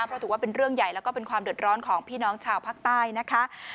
เพราะถือว่าเป็นเรื่องใหญ่แล้วก็เป็นความเดือดร้อนของพี่น้องชาวภาคใต้นะคะ